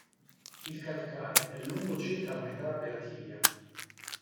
Il calcar è lungo circa la metà della tibia.